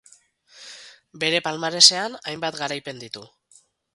Bere palmaresean hainbat garaipen ditu.